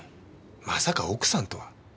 まさか奥さんとは。